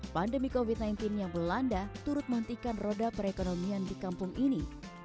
pandemi covid sembilan belas yang melanda turut menghentikan roda perekonomian di kampung ini